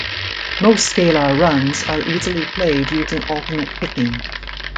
Most scalar runs are most easily played using alternate picking.